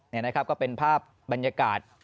นี่นะครับก็เป็นภาพบรรยากาศ